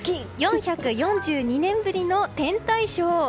４４２年ぶりの天体ショー。